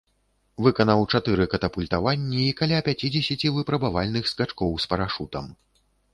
Выканаў чатыры катапультаванні і каля пяцідзесяці выпрабавальных скачкоў з парашутам.